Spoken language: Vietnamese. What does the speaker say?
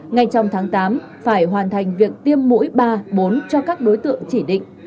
ngay trong tháng tám phải hoàn thành việc tiêm mũi ba bốn cho các đối tượng chỉ định